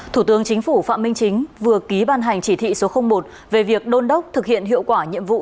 thủ tướng chính phủ phạm minh chính vừa ký ban hành chỉ thị số một về việc đôn đốc thực hiện hiệu quả nhiệm vụ